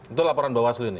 itu laporan bawasli ini